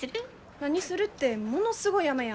何するってものすごい雨やん。